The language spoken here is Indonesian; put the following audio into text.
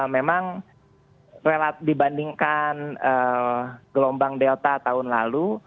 memang dibandingkan gelombang delta tahun lalu